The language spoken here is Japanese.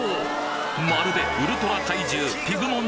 まるでウルトラ怪獣「ピグモン」